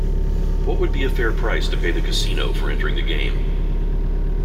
What would be a fair price to pay the casino for entering the game?